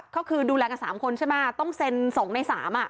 ก็คือดูแลกัน๓คนใช่ไหมต้องเซ็น๒ใน๓